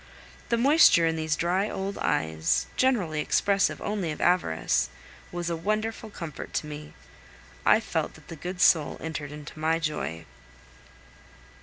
The moisture in these dry old eyes, generally expressive only of avarice, was a wonderful comfort to me. I felt that the good soul entered into my joy.